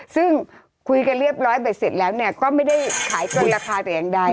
ซึ่งคุยกันเรียบร้อยแต่เสร็จแล้วเนี่ยก็ไม่ได้ขายกันราคาถึงอันไหน